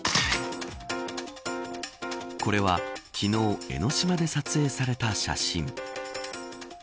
これは、昨日江ノ島で撮影された写真。